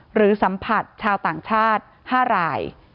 หรือสัมผัสชาวต่างชาติ๕ราย